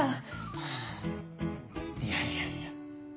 ハァいやいやいや。